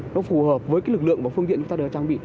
nó phù hợp với cái lực lượng và phương tiện chúng ta đã trang bị